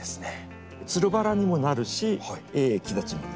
つるバラにもなるし木立ちにもなる。